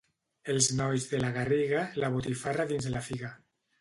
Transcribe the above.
Els nois de la Garriga, la botifarra dins la figa.